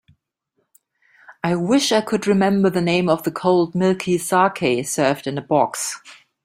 I wish I could remember the name of the cold milky saké served in a box.